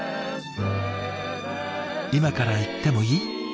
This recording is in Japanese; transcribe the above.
「今から行ってもいい？」